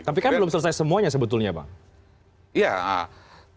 tapi kan belum selesai semuanya sebetulnya bang